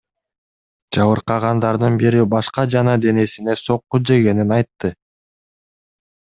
Жабыркагандардын бири башка жана денесине сокку жегенин айтты.